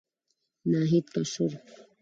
ناهيد کشور